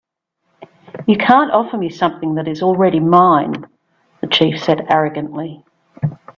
"You can't offer me something that is already mine," the chief said, arrogantly.